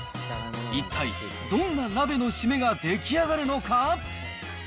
一体どんな鍋のシメが出来上がるのか？